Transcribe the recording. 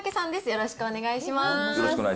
よろしくお願いします。